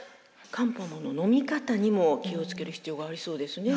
漢方ののみ方にも気を付ける必要がありそうですね。